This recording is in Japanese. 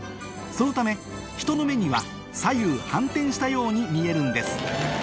そのため人の目には左右反転したように見えるんです